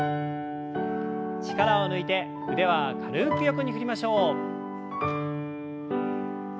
力を抜いて腕は軽く横に振りましょう。